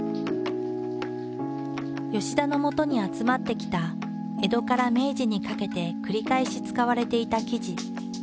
田のもとに集まってきた江戸から明治にかけて繰り返し使われていた生地。